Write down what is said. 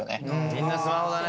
みんなスマホだね。